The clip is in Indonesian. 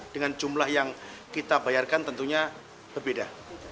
dengan jumlah yang kita bayarkan tentunya berbeda